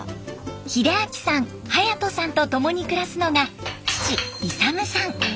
秀明さん勇人さんと共に暮らすのが父勇さん。